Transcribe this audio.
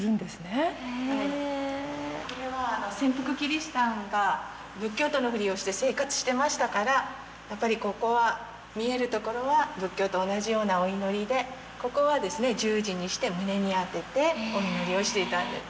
これは潜伏キリシタンが仏教徒のふりをして生活してましたからやっぱりここは見えるところは仏教と同じようなお祈りでここは十字にして胸に当ててお祈りをしていたんです。